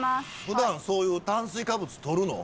普段そういう炭水化物とるの？